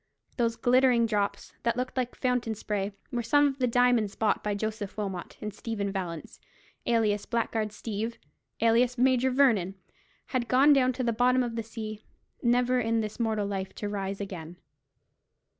Those glittering drops, that looked like fountain spray, were some of the diamonds bought by Joseph Wilmot; and Stephen Vallance, alias Blackguard Steeve, alias Major Vernon, had gone down to the bottom of the sea, never in this mortal life to rise again.